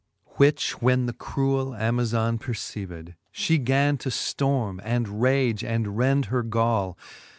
XLVII. Which when the cruell Amazon perceived, She gan to ftorme, and rage, and rend her gall.